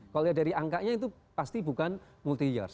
kalau lihat dari angkanya itu pasti bukan multi years